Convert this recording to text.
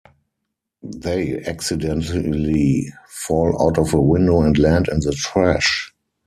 They accidentally fall out of a window and land in the trash.